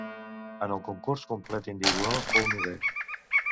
En el concurs complet individual fou novè.